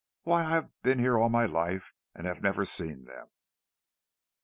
Why, I have been here all my life, and have never seen them!"